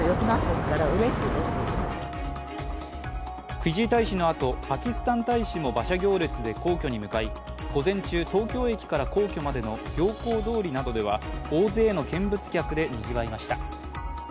フィジー大使のあとパキスタン大使も馬車行列で皇居に向かい午前中、東京駅から皇居までへの行幸通りなどでは大勢の見物客でにぎわいました。